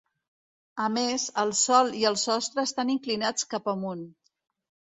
A més, el sòl i el sostre estan inclinats cap amunt.